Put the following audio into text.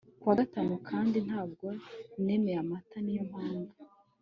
ku wa gatanu kandi ntabwo nemerewe amata. niyo mpamvu